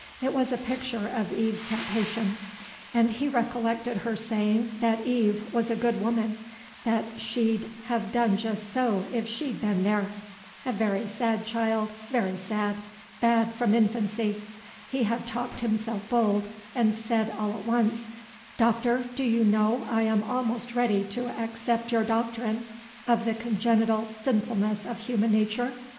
It was a picture of Eve's temptation; and he recollected her saying that Eve was a good woman, and she'd have done just so, if she'd been there. A very sad child, very sad; bad from infancy. He had talked himself bold, and said all at once, "Doctor, do you know I am almost ready to accept your doctrine of the congenital sinfulness of human nature?